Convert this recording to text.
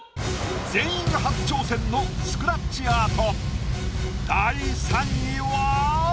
全員が初挑戦のスクラッチアート。